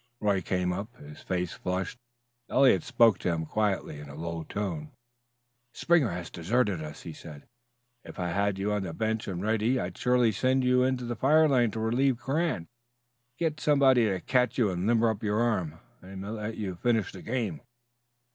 Roy came up, his face flushed. Eliot spoke to him quietly in a low tone: "Springer has deserted us," he said. "If I'd had you on the bench and ready, I'd surely sent you onto the firing line to relieve Grant. Get somebody to catch you and limber your arm up. I may let you finish the game."